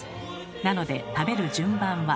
なので食べる順番は。